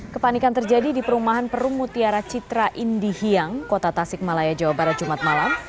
kepanikan terjadi di perumahan perumutiara citra indihiyang kota tasikmalaya jawa barat jumat malam